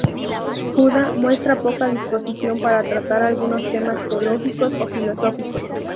Judá muestra poca disposición para tratar algunos temas teológicos o filosóficos.